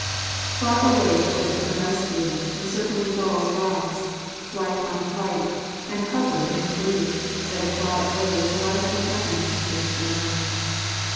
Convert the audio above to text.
Far away toward the rice fields the circling gulls rise, flight on flight, and hover in the blue, then fly away to life and happiness in the great beyond.